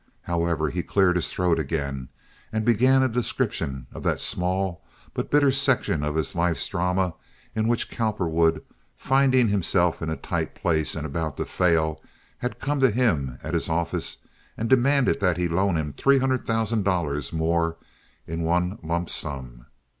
However, he cleared his throat again and began a description of that small but bitter section of his life's drama in which Cowperwood, finding himself in a tight place and about to fail, had come to him at his office and demanded that he loan him three hundred thousand dollars more in one lump sum.